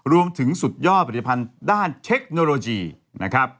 สุดยอดผลิตภัณฑ์ด้านเทคโนโลยีนะครับ